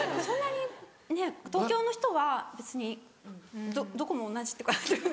そんなにねっ東京の人は別にどこも同じというか。